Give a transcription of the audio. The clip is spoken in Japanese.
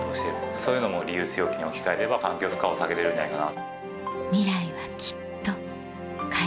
そういうのもリユース容器に置き換えれば環境負荷を下げれるんじゃないかな。